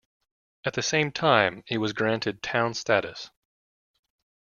At the same time, it was granted town status.